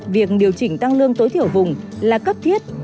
việc điều chỉnh tăng lương tối thiểu vùng là cấp thiết